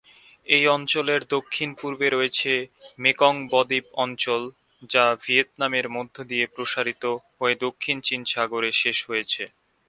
এই অঞ্চলের দক্ষিণ-পূর্বে রয়েছে মেকং ব-দ্বীপ অঞ্চল, যা ভিয়েতনামের মধ্য দিয়ে প্রসারিত হয়ে দক্ষিণ চীন সাগরে শেষ হয়েছে।